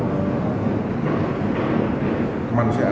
pernikahan itu yang bertemukan sama wakil